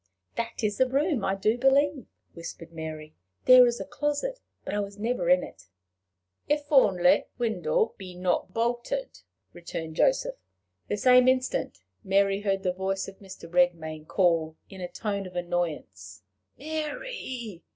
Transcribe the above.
"That is the room, I do believe," whispered Mary. "There is a closet, but I never was in it." "If only the window be not bolted!" returned Joseph. The same instant Mary heard the voice of Mr. Redmain call in a tone of annoyance "Mary!